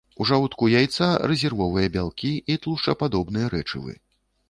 У жаўтку яйца рэзервовыя бялкі і тлушчападобныя рэчывы.